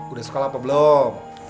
udah sekolah apa belum